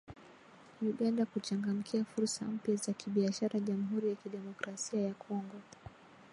Uganda kuchangamkia fursa mpya za kibiashara Jamhuri ya Kidemokrasia ya Kongo